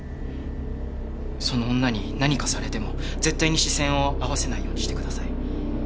その女に何かされても絶対に視線を合わせないようにしてください。